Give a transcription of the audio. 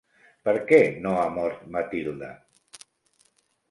Per què no ha mort Matilde?